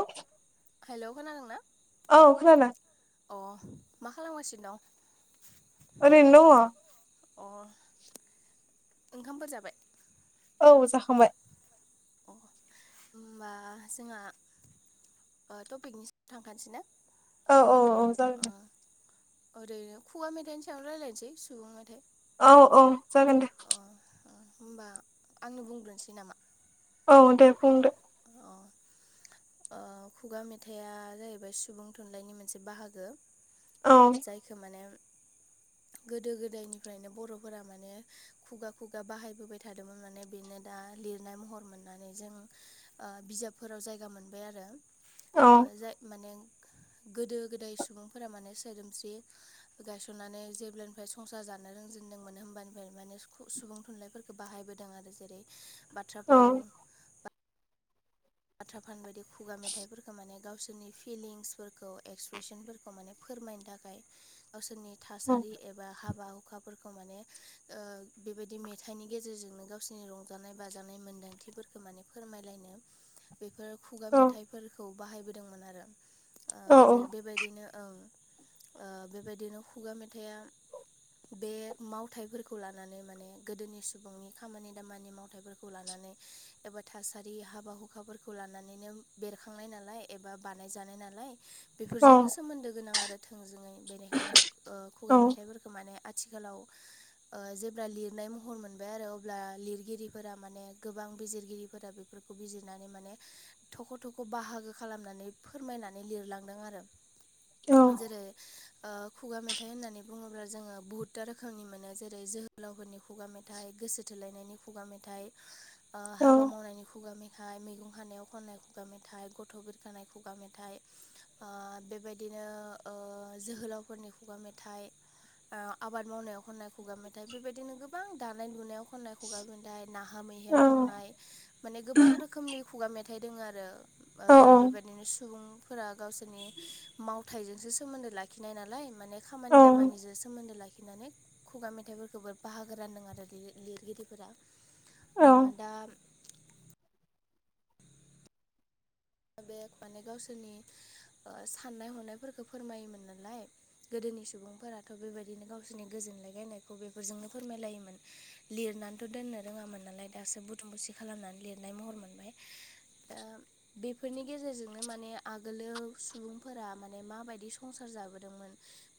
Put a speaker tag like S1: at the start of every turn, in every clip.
S1: औ
S2: हेलौ खोनादों ना?
S1: औ खोनादों
S2: अ मा खालामगासिनो दं
S1: ओरैनौ दङ।
S2: अ ओंखामफोर जाबाय?
S1: औ जाखांबाय।
S2: अ होमबा जोंहा ओ टपिकनि [unintelligible] थांखानोसै ना?
S1: औ औ औ जागोन
S2: ओ
S1: दे
S2: ओरैनो खुवा मेथाइनि सायावनो रायलायनोसै सुबुं मेथाइ।
S1: औ औ जागोन दे।
S2: अ ओ होमबा आंनो बुंग्रोनोसै नामा।
S1: औ दे बुंदो।
S2: अ ओ खुगा मेथाइआ जाहैबाय सुबुं थुनलायनि मोनसे बाहागो।
S1: औ।
S2: जायखो माने गोदो गोदायनिफ्रायनो बर'फोरा माने खुगा-खुगा बाहायबोबाय थादोंमोन माने बेनो दा लिरनाय महर मोननानै जों ओ बिजाबफोराव जायगा मोनबाय आरो
S1: औ
S2: ओ जाय माने गोदो-गोदाय सुबुंफोरा माने सोदोमस्रि गायसननानै जेब्लानिफ्राय संसार जानो रोंजेनदोंमोन होमबानिफाय माने [unintelligible] सुबुं थुनलाइफोर खौ बाहायबोदों आरो जेरै बाथ्रा
S1: औ
S2: भाव बाथ्रा फान बायदि खुगा मेथाइफोरखौ माने गावसोरनि फिलिंसफोरखौ एक्सप्रेसनफोरखौ माने फोरमायनो थाखाय गावसोरनि
S1: औ
S2: थासारि एबा हाबा [unintelligible] खाफोरखौ माने ओ बेबायदि मेथाइनि गेजेरजोंनो गावसिनि रंजानाय-बाजानाय मोन्दांथि फोर खो माने फोरमायलायनो बेफोर खुगा
S1: औ
S2: मेथाइफोरखौ बाहायबोदोंमोन आरो ओ
S1: औ
S2: जेर बेबायदिनो ओं ओ बेबायदिनो खुगा मेथाइआ बे मावथाइफोरखौ लानानै माने गोदोनि सुबुंनि खामानि दामानि मावथाइफोरखौ लानानै एबा थासारि हाबा हु [unintelligible] खाफोरखौ लानानैनो बेरखांनाय नालाय एबा बानायजानाय नालाय
S1: औ
S2: बेफोरजोंनो सोमोन्दो गोनां आरो थोंजोङै बेनिखायनो ओ
S1: औ
S2: खुगा मेथाइफोरखौ माने थिखालाव ओ जेब्ला लिरनाय महर मोनबाय आरो अब्ला लिरगिरिफोरा माने गोबां बिजिरगिरिफोरा बेफोरखौ बिजिर नानै माने थख' थख' बाहागो खालामनानै फोरमायनानै लिरलांदों आरो आं जेरै ओ खुगा मेथाइ होननानै बुङोब्ला जोङो बहुदता रोखोमनि मोनो जेरै जोहोलावफोरनि खुगा मेथाइ, गोसो थोलायनायनि खुगा मेथाइ ओ
S1: औ
S2: हाबा मावनायनि खुगा मेथ थाइ मैगं खानायाव खननाय खुगा मेथाइ, गथ' बुरखानाय खुगा मेथाइ। ओ बेबायदिनो ओ जोहोलावफोरनि खुगा मेथाइ। ओ आबाद मावनायाव खननाय खुगा मेथाइ बेबायदिनो गोबां दानाय लुनायाव खन्नाय खुगा मेथाय नाहा मैहायाव
S1: औ
S2: थांनाय माने गोबां रोखोमनि खुगा मेथाइ दोङो आरो ओ
S1: औ
S2: बेबायदिनो सुबुं फोरा गावसोरनि मावथाइजोंसो सोमोन्दो लाखिनाय नालाय माने
S1: औ
S2: खामानि दामानिजो सोमोन्दो लाखिनानै खुगा मेथाइफोरखौबो बाहागो रानदों आरो लि लिरगिरिफोरा ओ दा बेग माने गावसोरनि ओ साननाय हनायफोरखौ फोरमायोमोन नालाय गोदोनि सुबुंफोराथ' बेबादिनो गावसोरनि गोजोनलाय गायनायखौ बेफोरजोंनो फोरमायलायोमोन। लिरनानैथ' दोननो रोङामोन नालाय दासो बुथुम बुसि खालामनानै लिरनाय महर मोनबाय। दाम बेफोरनि गेजेरजोंनो माने आगोलो सुबुंफोरा माने माबायदि संसार जाबोदोंमोन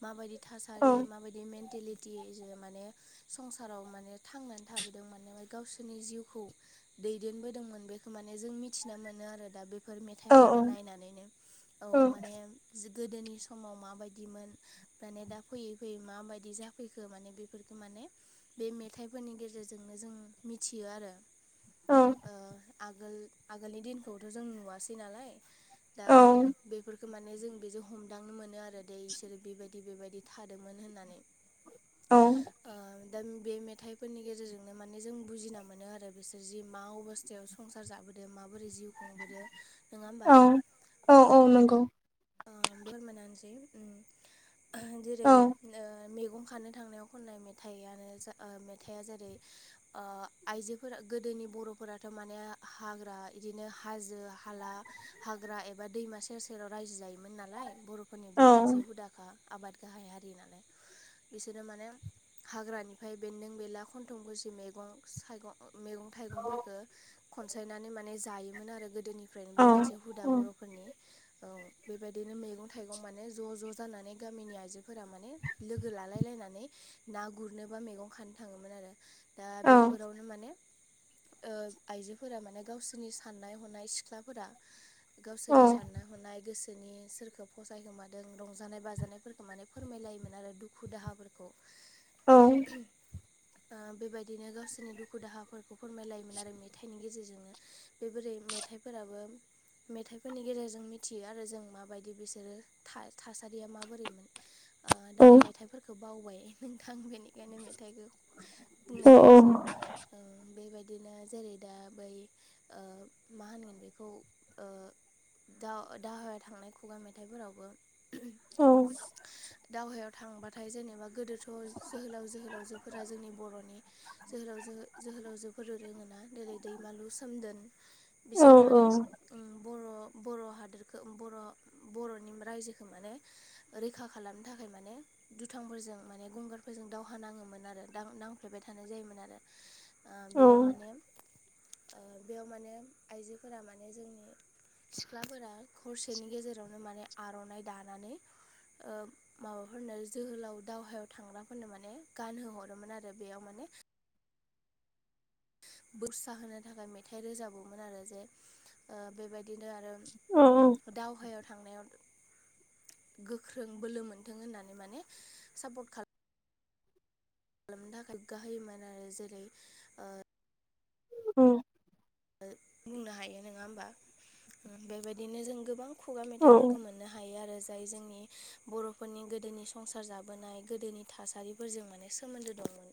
S2: माबायदि थासारि माबायदि मेन्टेलिटि जो माने संसाराव माने थांनानै थाबोदों माने गावसोरनि जिउखौ दैदेनबोदोंमोन बेखौ माने जों मिथिना मोनो आरो दा बेफोर मेथाइफोरखौ नायनानैनो औ माने जो गोदोनि समाव माबायदिमोन ब्राने दा फैयै फैयै माबायदि जाफैखो माने बेफोरखौ माने बे मेथाइफोरनि गेजेरजोंनो जों मिथियो आरो ओ आगोल आगोलनि दिनखौथ' जों नुवासै नालाय दा बेफोरखौ माने जों बेजों हमदांनो मोनो आरो दे बिसोरो बेबायदि बैबे बायदि थादोंमोन होननानै
S1: औ
S2: ओ दा बे मेथाइफोरनि गेजेरजोंनो माने जों बुजिना मोनो आरो बिसोर जि मा अबस सेयाव संसार जाबोदो माबोरै जिउ खुंबोदो नङा होमबा?
S1: औ औ औ नंगौ।
S2: ओ बेर [unintelligible] मोनानोसै जेरै
S1: औ
S2: ओ मैगं खानो थांनायाव खननाय मेथाइयानो जा ओ मेथाइआ जेरै ओ आइजोफोरा गोदोनि बर'फोराथ' माने हाग्रा इदिनो हाजो हाला हाग्रा एबा दैमा सेर सेराव रायजो जायोमोन नालाय बर'फोरनि बे
S1: औ
S2: मोनसे हुदा खा आबाद गाहाय हारि नालाय बिसोरनो माने हाग्रानिफ्राय बेन्दों बेनला खन्थं गुसि मैगं सायगं ओ मेगं थाइगंफोरखो खनसायनानै माने जायोमोन आरो गोदोनि ओमफ्रायनो
S1: औ
S2: बे मोनसे हुदा
S1: औ
S2: बर'फोरनि औ बेबायदिनो मैगं थाइगं माने ज' ज' जानानै गामिनि आइजोफोरा माने लोगो लालाय लायनानै ना गुरनोबा मैगं खानो थाङोमोन आरो दा
S1: औ औ
S2: बेफोरावनो माने ओ आइजोफोरा माने गावसोरनि साननाय हनाय सिख्लाफोरा गावसोरनि साननाय हनाय गोस सोरनि सोरखौ फसायखोमादों रंजानाय बाजानायफोरखौ माने फोरमायलायोमोन आरो दुखु दाहाफोरखौ ओ बेबायदिनो गावसोरनि दुखु दाहाफोरखौ फोरमायलायोमोन आरो मेथायनि गेजेरजोंनो बे बोरै मेथाइफोराबो मेथाइफोरनि गेजेरजों मिथियो आरो जों माबायदि बिसोरो था थासारिया माबोरैमोन ओ दा आं मेथाइफोरखौ बावबाय नोंथां बेनि बेखायनो मेथाइखौ बुंनाय जायासै औ बेबायदिनो जेरै-दा बै ओ मा होनगोन बेखौ ओ दा दावहा थांनाय खुगा मेथाइफोरावबो
S1: औ
S2: दावहायाव थांबाथाय जेनेबा गोदोथ' जोहोलाव जोहोलावजोफोरा जोंनि बर'नि जोलावजो जोहोलावजोफोर रोङोना जेरै दैमालु सोमदोन बिसोरो माने उम बर' बर' हादोरखौ बर' बर'नि रायजोखौ माने रैखा खालामनो थाखाय माने दुथांफोरजों माने गंगारफोरजों दावहा नाङोमोन आरो दां नांफ्लेबाय थानाय जायोमोन आरो ओ बेयाव माने ओ बेयाव माने आइजोफोरा माने जोंनि सिख्लाफोरा हरसेनि गेजेरावनो माने आर'नाइ दानानै ओ माबाफोरनो जोहोलाव दावहायाव थांग्राफोरनो माने गानहोहरोमोन आरो बेयाव माने बुरसा होनो थाखाय मेथाइ रोजाबोमोन आरो जे ओ बेबायदिनो आरो
S1: औ
S2: दावहायाव थांनायाव गोख्रों बोलो मोनथों होननानै माने सापर्ट खालाम खालामनो थाखाय गाहोयोमोन आरो जेरै ओ
S1: औ
S2: बुंनो हायो नोङा होमबा बेबायदिनो जों गोबां खुगा
S1: औ
S2: मेथाइफोरखौ मोनो नो हायो आरो जाय जोंनि बर'फोरनि गोदोनि संसार जाबोनाय गोदोनि थासारि फोरजों माने सोन्दो दंमोन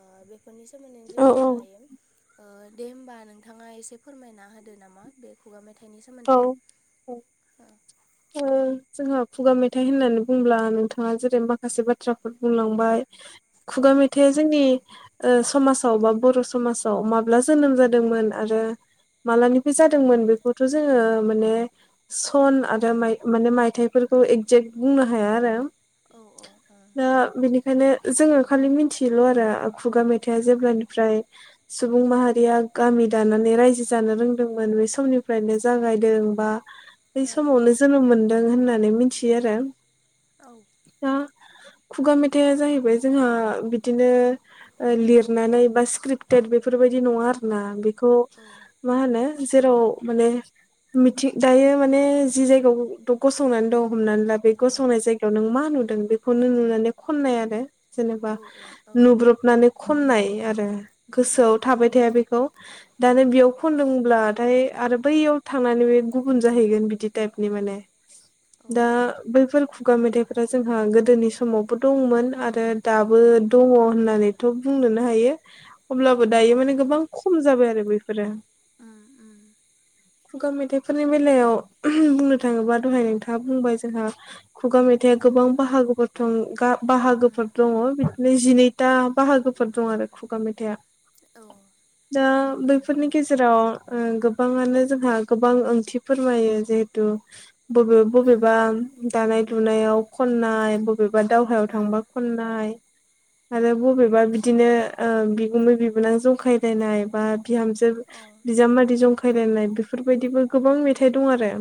S2: ओ बे फोरनि सोमोन्दै जों
S1: औ
S2: बुंनो हायो दे होमबा नोंथाङा एसे फोरमायना होदो नामा बे खुगा मेथाइनि
S1: औ
S2: सोमोन्दै
S1: ओ
S2: औ
S1: जोंहा खुगा मेथाइ होननानै बुंङोब्ला नोंथाङा जेरै माखासे बाथ्राफोर बुंलांबाय
S2: औ
S1: खुगा मेथाइ जोंनि ओ समाजाव बा बर' समाजाव माब्ला जोनोम जादोंमोन आरो मालानिफ्राय
S2: औ
S1: जादोंमोन बेखौथ' जोङो माने सन
S2: उम
S1: आरो माइ माने मायथाइफोरखौ एक्जेक्ट बुंनो हाया आरो
S2: औ औ उम
S1: दा बेनि खायनो जोङो खालि मिन्थियोल' आरो खुगा मेथाइआ
S2: उम
S1: जेब्लानिफ्राय सुबुं माहारिया गामि दानानै रायजो जानो रोंदोंमोन बे समनि फ्रायनो जागायदों बा
S2: औ
S1: बै समावनो जोनोम मोनदों होननानै मिथियो आरो
S2: औ
S1: दा खुगा मेथाइआ जाहैबाय जोंहा बिदिनो लिरनानै बा स्क्रिप्ट टेट बेफोर बायदि नङा
S2: औ
S1: आरोना बेखौ
S2: औ
S1: मा होनो जेराव माने मिथिं दायो माने जि जायगायाव गसंनानै दं हमनानै ला बे गसंनाय जायगायाव नों मा नुदों बेखौ नों नुनानै खननाय आरो जेनेबा
S2: औ औ औ
S1: नुब्रबनानै खननाय आरो
S2: उम
S1: गोसोआव
S2: उम
S1: थाबाय थाया बेखौ दानो बेयाव
S2: उम
S1: खनदोंब्लाथाय आरो बैयाव थांनानै बे गुबुन जाहैगोन बिदि टाइपनि माने
S2: औ
S1: दा बैफोर खुगा मेथाइफोरा जोंहा गोदोनि समावबो दंमोन आरो दाबो
S2: उम
S1: दङ होननानैथ' बुंनोनो हायो अब्लाबो
S2: औ
S1: दायो
S2: उम
S1: माने गोबां खम जाबाय आरो बैफोरो
S2: उम उम
S1: खुगा मेथाइफोरनि बेलायाव बुंनो थाङोबा दहाय नोंथाङा बुंबाय जोंहा खुगा मेथाइआ
S2: उम
S1: गोबां बाहागोफोर दं
S2: उम
S1: बाहागोफोर दङ नैजिनैता बाहागोफोर दं आरो खुगा मेथाइआ
S2: औ
S1: दा
S2: नंगौ
S1: बैफोरनि गेजेराव गोब बाङानो जोंहा गोबां ओंथि फोरमायो जिहेथु बबे बबेबा दानाय लुनायाव खननाय बबेबा दावहायाव थांबा खननाय आरो बबेबा बिदिनो बिगुमै बिबोनां जंखायलायनाय बा बिहामजो
S2: ओं
S1: बिजामादै जंखाय खायलायनाय बेफोर बायदिबो गोबां मेथाइ दं आरो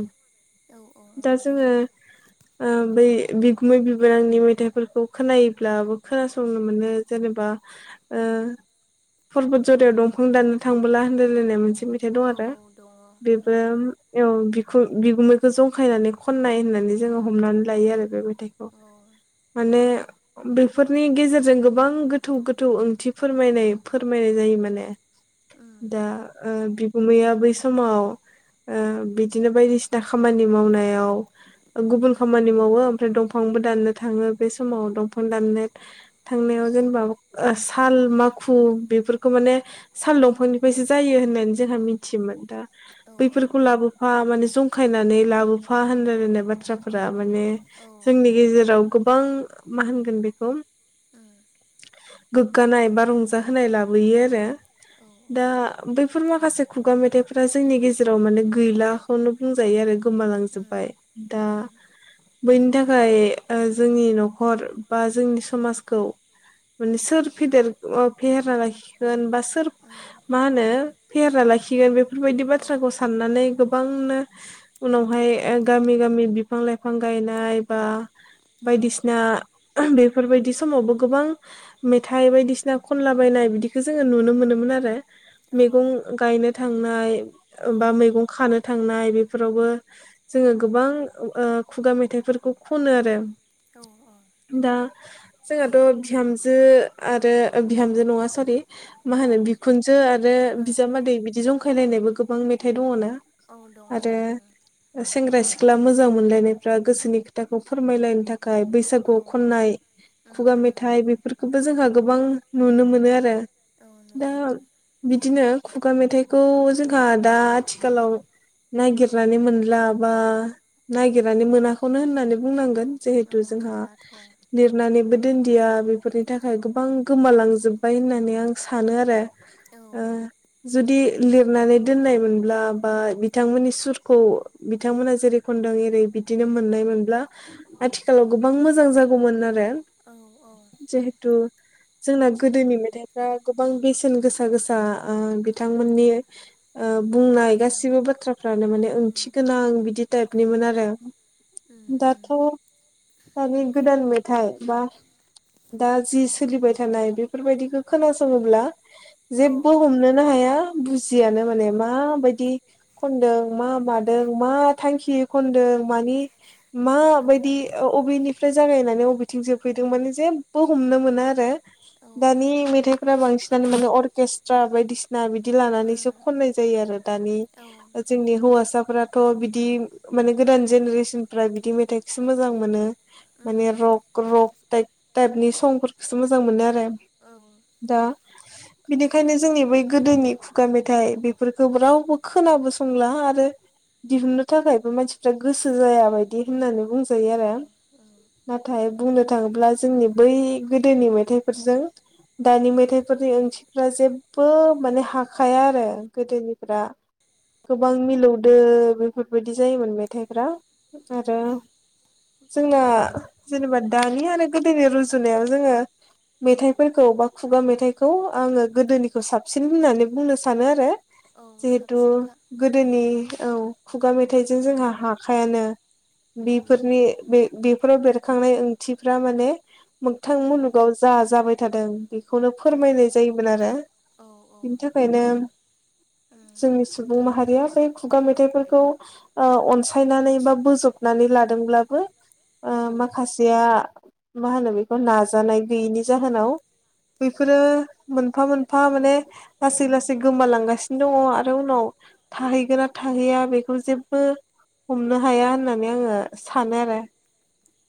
S2: ओ औ
S1: दा जोङो
S2: [unintelligible]
S1: ओ बै बिगुमै बिबोनांनि मेथाइफोरखौ खोनायोब्लाबो खोनासंनो मोनो जेनेबा ओ परबत जरियाव दंफां दाननो थांबोला होनलायलायनाय मोनसे मेथाइ दं
S2: औ
S1: आरो
S2: दङ
S1: बेबोम औ बिखु बिगुमैखौ जंखायनानै खननाय होननानै
S2: दङ
S1: जोङो हमनानै लायो आरो बे मेथाइखौ
S2: उम औ
S1: माने बेफोरनि गेजेरजों गोबां गोथौ गोथौ ओंथि फोरमायनाय फोरमायनाय जायो माने
S2: उम
S1: दा ओ बिगुमैया बै समाव ओ बिदिनो बायदिसिना खामानि मावनायाव
S2: उम
S1: गुबुन खामानि मावो ओमफ्राय दंफांबो दाननो थाङो बे समाव दंफां दाननो थांनायाव जेनेबा ओ साल माखु बेफोरखौ माने साल दं
S2: उम
S1: फांनिफ्रायसो जायो होननानै जोंहा मिथियोमोन दा
S2: औ
S1: बैफोरखौ
S2: औ
S1: लाबो फा माने जंखायनानै लाबोफा होनलायलायनाय बाथ्राफोरा माने
S2: ओ उम
S1: जोंनि गेजेराव गोबां मा होनगोन बेखौ गोग्गानाय बा रंजाहोनाय लाबोयो आरो
S2: औ
S1: दा
S2: उम
S1: बैफोर माखासे खुगा मेथाइ फ्रा जोंनि गेजेराव माने गैलाखौनो बुंजायो आरो
S2: उम
S1: गोमालांजोब्बाय दा
S2: उम
S1: बैनि थाखाय ओ जोंनि न'खर बा जोंनि समाजखौ माने सोर फेदेर फेहेरना लाखिगोन बा सोर
S2: औ
S1: मा होनो फेहेरना लाखिगोन बेफोरबायदि
S2: औ
S1: बाथ्राखौ साननानै गो गोबांनो उनावहाय ओ गामि गामि बिफां लाइफां गायनाय बा ओ
S2: औ
S1: बायदिसिना बेफोरबायदि समावबो गोबां मेथाइ बायदिसिना खनला बायनाय बिदिखौ जोङो नुनो मोनोमोन आरो
S2: उम औ
S1: मैगं गायनो थांनाय बा मैगं खानो थांनाय बेफोरावबो जोङो गोबां ओ खुगा मेथाइफोरखौ खनो आरो
S2: औ औ
S1: दा जोंहाथ' बिहामजो आरो ओ बिहामजो नङा सरि मा होनो बिखुनजो आरो बिजामादै बिदि जंखायलायनायबो गोबां मेथाइ दङना
S2: औ
S1: आरो सेंग्रा सिख्ला मोजां मोनलायनायफ्रा गोसोनि खोथाखौ फोरमायलायनो थाखाय
S2: ओ
S1: बैसागुआव
S2: औ
S1: खननाय
S2: दङ दङ ओं औ उम
S1: खुगा
S2: उम
S1: मेथाइ बेफोरखौबो जोंहा गोबां नुनो मोनो आरो
S2: औ
S1: दा
S2: नुयो
S1: बिदिनो खुगा मेथाइखौ जोंहा दा आथिखालाव। नागिरनानै मोनला बा नागिरनानै मोनखौैनो होननानै बुंनांगोन जिहेथ
S2: औ
S1: थु जोंहा।
S2: मोनलाथ' औ
S1: लिरनानैबो दोनदिया बेफोरनि थाखाय गोबां गोमालांजोब्बाय होननानै आं सानो आरो।
S2: औ
S1: ओ जुदि लिरनानै दोननायमोनब्ला बा बिथांमोननि सुरखौ। बिथांमोना जेरै खनदों एरै बिदिनो मोननाय मोनब्ला। आथिखालाव गोबां मोजां जागौमोन आरो।
S2: औ औ।
S1: दु जोंना गोदोनि मेथाइफ्रा गोबां बेसेन गोसा गोसा ओ
S2: उम
S1: बिथांमोननि। ओ
S2: ओंथि
S1: बुंनाय
S2: गोनां
S1: गासिबो बाथ्रा फ्रानो माने
S2: उम
S1: ओंथिगोनां बिदि
S2: औ
S1: टाइपनिमोन आरो
S2: उम उम
S1: दाथ' दानि गोदान मेथाइ बा। दा जि सोलिबाय थानाय बेफोरबायदिखौ खोनासङोब्ला।
S2: औ
S1: जेबो
S2: उम
S1: हमनोनो हाया बुजियानो माने
S2: उम
S1: माबायदि। खनदों मा मादों मा थांखि खनदों मानि
S2: जेथो
S1: माबायदि
S2: गोनां
S1: अ अबेनि मानिफ्राय जागायनानै बबेथिंजोबफैदों माने जेबो हमनो मोना आरो
S2: औ ओ
S1: दानि मेथाइफोरा बांसिनानो माने अर्केस्ट्रा बायदिसिना बिदि बिदि लानानैसो
S2: औ
S1: खननाय जायो आरो दानि
S2: उम
S1: जोंनि हौवासाफोराथ' बिदि माने गोदान जेनेरेसनफ्रा मेथाइखौसो मोजां मोनो। माने
S2: उम
S1: रक रक टाइ टाइपनि संफोरखौसो मोजां मोनो आरो।
S2: औ।
S1: दा बिनिखायनो बै गोदोनि। खुगा मेथाइ बेफोरखौ रावबो खोनाबो संला आरो। दिहुनो थाखायबो मानसिफ्रा गोसो जाया बायदि होननानै बुंजायो आरो।
S2: ओ।
S1: नाथाय बुंनो थाङोब्ला जोंनि बै गोदोनि मेथाइफोरजों। दानि
S2: उम
S1: मेथाइफोरनि ओंथिफ्रा जेबो माने ह खाया आरो गोदोनिफ्रा। गोबां मिलौदो बेफोरबायदि जायोमोन मेथाइफ्रा आरो। जोंना
S2: उम उम
S1: जेनेबा दानि आरो गोदोनि रुजुनायाव जोङो। मेथाइफोरखौ बा खुगा मेथाइखौ आङो गोदोनिखौ साबसिन होननानै। बुंनो सानो आरो
S2: औ
S1: जिहेथु।
S2: साबसिनखा
S1: गोदोनि औ खुगा मेथाइजों
S2: ओ
S1: जोंहा हाखायानो।
S2: उम
S1: बेफोरनि बे बेफोराव बेरखांनाय ओंथिफ्रा माने। मोगथां
S2: उम
S1: मुलुगाव जा जाबाय थादों बेखौनो
S2: औ
S1: फोरमायनाय जायोमोन आरो
S2: औ औ
S1: ओखायनो
S2: उम
S1: जोंनि सुबुं माहारिया बै खुगा मेथाइफोरखौ। ओ अनसायनानै बा बोजबनानै लादोंब्लाबो। ओ
S2: औ उम
S1: माखासेया मा होनो बेखौ नाजानाय गैयैनि जाहोनाव। बेफोरो मोनफा मोनफा माने। लासै लासै गोमालांगासिनो दङ आरो उनाव। थाहैगोना थाहैया बेखौ जेबो। हमनो हाया होननानै आङो सानो आरो।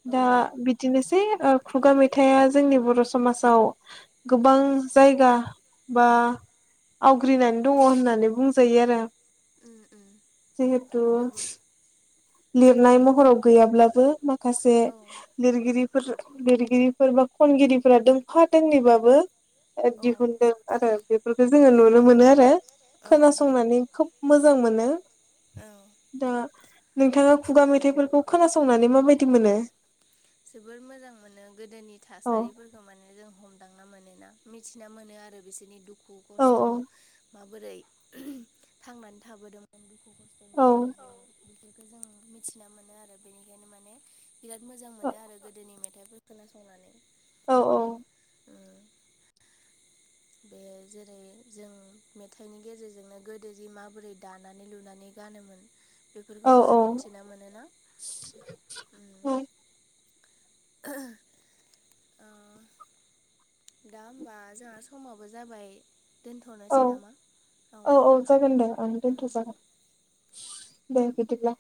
S2: औ
S1: दा बिदिनोसै ओ खुगा मेथाइआ जोंनि बर' समाजाव गोबां जायगा बा आवग्रिनानै दङ होननानै बुंजायो आरो
S2: उम उम
S1: जिहेथु
S2: नंगौ
S1: लिरनाय महराव गैयाब्लाबो माखासे
S2: औ
S1: लिरगिरि फोर लिरगिरिफोर बा खनगिरिफोरा दोंफा दोंनैबाबो ओ
S2: औ
S1: दिहुनदों। आरो बेफोरखौ जोङो नुनो
S2: दिहुनदों
S1: मोनो
S2: ओं
S1: आरो
S2: औ
S1: खोनासंनानै
S2: दिहुनदों
S1: खोब मोजां मोनो।
S2: औ
S1: दा नोंथाङा खुगा मेथाइफोरखौ खोनासंनानै माबायदि मोनो?
S2: जोबोर मोजां मोनो गोदोनि
S1: औ
S2: थासारिफोर खौ माने जों हमदांना मोनो ना मिथिना मोनो आरो बिसोरनि दुखु दुखु
S1: औ
S2: खस्थ'
S1: औ
S2: माबोरै थांनानै थाबोदों दुखु खस्थ' गेजेरजों औ बेफोरखौ जों मिथिना मोनो आरो बेनिखायनो माने बिराद मोजां मो नो आरो गोदोनि मेथाइफोर खोनासंनानै
S1: औ औ
S2: उ बे जेरै जों मेथाइनि गेजेरजोंनो गोदो जि माबोरै दानानै-लुनानै गानोमोन
S1: औ
S2: बेफोरखौबो जों
S1: औ
S2: मिथिना मोनोना।
S1: औ
S2: उ ओ दा होमबा जोंहा समाबो जाबाय
S1: औ
S2: दोनथ'नोसै नामा
S1: औ औ जागोन दे आं दोनथ' जागोन दे बिदिब्ला